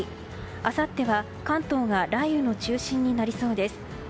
あさっては関東が雷雨の中心になりそうです。